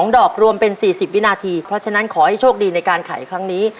ดอกรวมเป็น๔๐วินาทีเพราะฉะนั้นขอให้โชคดีในการไขครั้งนี้